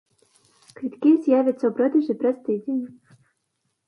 Квіткі з'явяцца ў продажы праз тыдзень.